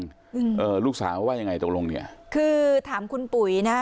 อืมเออลูกสาวว่ายังไงตกลงเนี้ยคือถามคุณปุ๋ยนะ